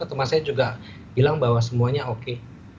teman saya juga bilang bahwa semuanya oke